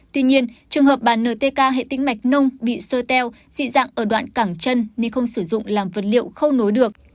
tuy nhiên trường hợp bàn ntk hệ tĩnh mạch nông bị sơ teo dị dạng ở đoạn cảng chân nên không sử dụng làm vật liệu không nối được